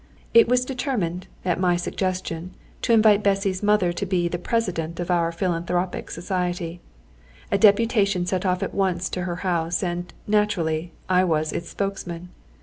It was determined, at my suggestion, to invite Bessy's mother to be the president of our philanthropic society. A deputation set off at once to her house, and, naturally, I was its spokesman.